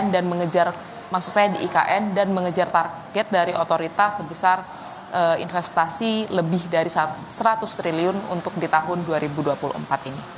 dan menaruh dana di oikn dan mengejar target dari otoritas sebesar investasi lebih dari seratus triliun untuk di tahun dua ribu dua puluh empat ini